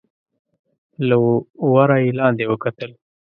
له وره يې لاندې وکتل.